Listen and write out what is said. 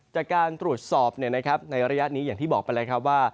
จากการตรวจสอบในระยะนี้อย่างที่บอกไปแล้วครับว่า